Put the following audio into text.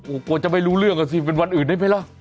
โอ้โหกลัวจะไม่รู้เรื่องอ่ะสิเป็นวันอื่นได้ไหมล่ะ